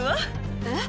えっ？